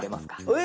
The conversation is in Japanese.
え？